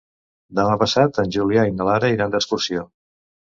Demà passat en Julià i na Lara iran d'excursió.